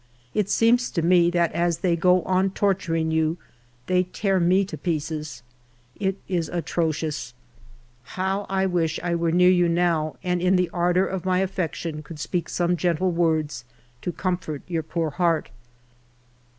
It seems to me that as they go on torturing you they tear me to pieces. It is atrocious !..." How I wish I were near you now, and in the ardor of my affection could speak some gentle words to comfort your poor heart."